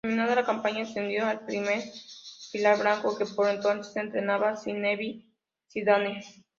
Terminada la campaña, ascendió al primer filial blanco que por entonces entrenaba Zinedine Zidane.